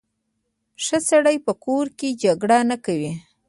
ښه سړی په کور کې جګړې نه کوي.